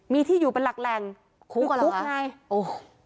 มีที่อยู่เป็นหลักแหล่งคุกไหม